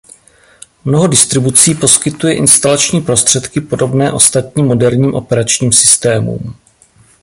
Mnoho distribucí poskytuje instalační prostředky podobné ostatním moderním operačním systémům.